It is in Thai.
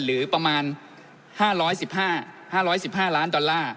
หรือประมาณห้าร้อยสิบห้าห้าร้อยสิบห้าร้านดอลลาร์